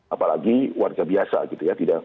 apalagi warga biasa gitu ya yang tidak punya perangkat